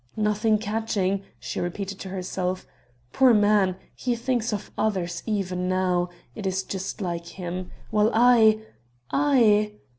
"Nothing catching...." she repeated to herself: "poor man! he thinks of others even now it is just like him. While I ... I?"